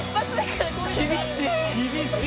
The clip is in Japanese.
厳しい！